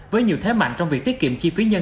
với nhiều thế mạnh trong việc tiết kiệm